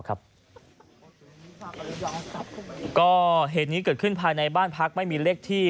เกิดขึ้นคืนภายในบ้านพักไม่มีเล็กที่